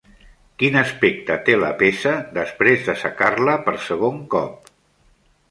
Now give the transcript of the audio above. Quin aspecte té la peça després d'assecar-la per segon cop?